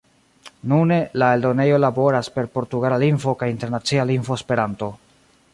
Nune, la eldonejo laboras per portugala lingvo kaj Internacia Lingvo Esperanto.